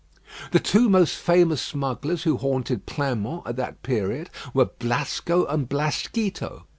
The two most famous smugglers who haunted Pleinmont at that period were Blasco and Blasquito.